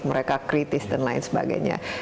mereka kritis dan lain sebagainya